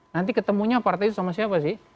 nanti ketemunya partai itu sama siapa sih